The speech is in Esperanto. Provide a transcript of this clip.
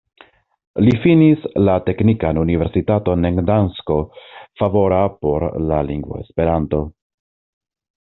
Li finis la Teknikan Universitaton en Gdansko, favora por la lingvo Esperanto.